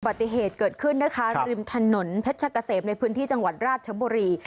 ปฏิเหตุเกิดขึ้นนะคะริมถนนเพชรกะเสมในพื้นที่จังหวัดราชบุรี